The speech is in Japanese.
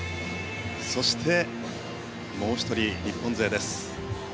そして、もう１人、日本勢です。